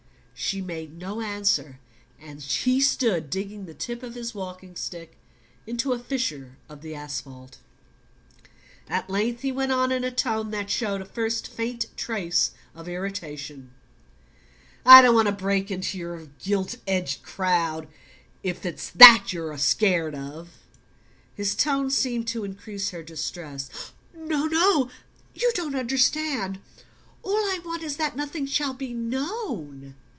She made no answer, and he stood digging the tip of his walking stick into a fissure of the asphalt. At length he went on in a tone that showed a first faint trace of irritation: "I don't want to break into your gilt edged crowd, if it's that you're scared of." His tone seemed to increase her distress. "No, no you don't understand. All I want is that nothing shall be known."